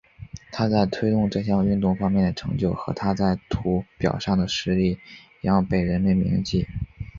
他在推动这项运动方面的成就和他在土俵上的实力一样被人们铭记。